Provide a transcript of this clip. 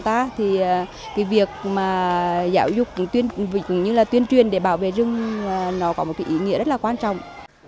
thì việc giáo dục tuyên truyền để bảo vệ rừng nó có một ý nghĩa rất là quan trọng